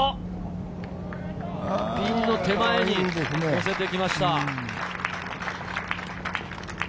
ピンの手前に乗せてきました。